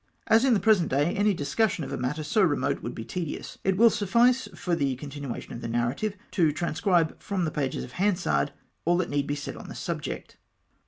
As in the present day any discussion of a matter so remote Avould be tedious, it will suffice for the continuation of the narrative to transcribe from the pages of Hansard all that need be said on the subject.